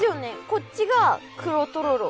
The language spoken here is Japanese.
こっちが黒とろろ。